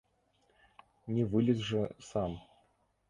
Не вылез жа сам?